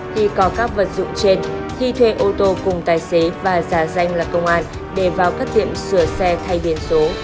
khi có các vật dụng trên khi thuê ô tô cùng tài xế và giả danh là công an để vào các tiệm sửa xe thay biển số